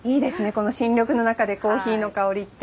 この新緑の中でコーヒーの香りって。